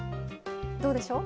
どうでしょう？